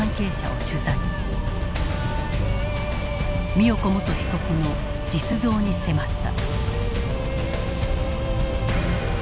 美代子元被告の実像に迫った。